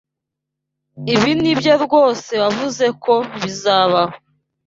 Ibi nibyo rwose wavuze ko bizabaho.